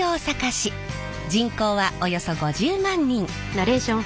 人口はおよそ５０万人。